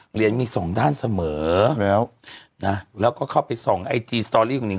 เหรียญมีสองด้านเสมอแล้วนะแล้วก็เข้าไปส่องไอจีสตอรี่ของหิ